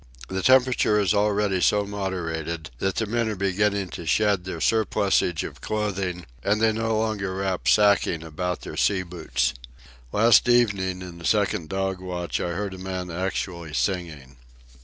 The temperature has already so moderated that the men are beginning to shed their surplusage of clothing, and they no longer wrap sacking about their sea boots. Last evening, in the second dog watch, I heard a man actually singing.